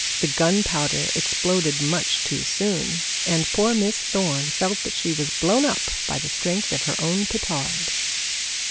The gunpowder exploded much too soon and poor Miss Thorne felt that she was blown up by the strength of her own petard.